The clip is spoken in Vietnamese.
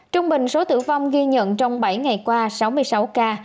trung bình số tử vong ghi nhận trong bảy ngày qua sáu mươi sáu ca